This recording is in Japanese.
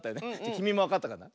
きみもわかったかな？